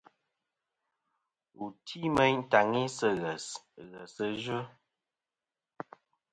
Wù ti meyn tàŋi sɨ̂ ghès, ghèsɨ yvɨ.